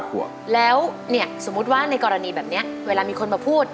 ขวบแล้วเนี่ยสมมุติว่าในกรณีแบบนี้เวลามีคนมาพูด